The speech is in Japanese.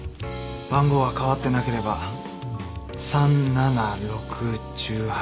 番号は変わってなければ３７６１８３０。